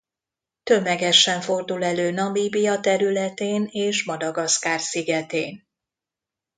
Tömegesen fordul elő Namíbia területén és Madagaszkár szigetén.